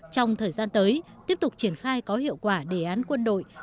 trong thời gian tới tiếp tục triển khai có hiệu quả đề án quân đội